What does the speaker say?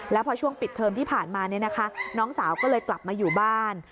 แล้วพอช่วงปิดเทอมที่ผ่านมาน้องสาวก็เลยกลับมาอยู่บ้าน